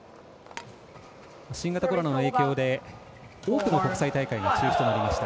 新型コロナの影響で多くの国際大会が中止となりました。